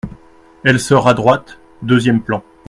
Elle sort à droite, deuxième plan.